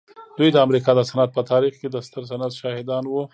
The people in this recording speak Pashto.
دوی د امریکا د صنعت په تاریخ کې د ستر صنعت شاهدان وو